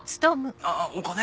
あぁお金？